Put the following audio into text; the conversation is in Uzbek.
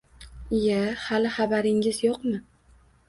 — Iya, hali xabaringiz yo‘qmi?